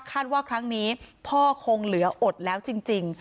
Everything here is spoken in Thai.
ว่าครั้งนี้พ่อคงเหลืออดแล้วจริง